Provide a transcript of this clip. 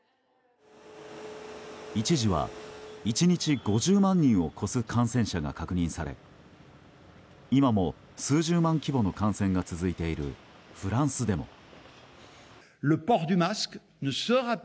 一時は、１日５０万人を超す感染者が確認され今も数十万規模の感染が続いているフランスでも。